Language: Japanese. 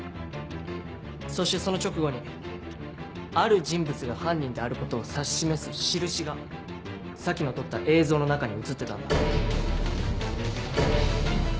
そしてその直後にある人物が犯人であることを指し示す印が佐木の撮った映像の中に写ってたんだ。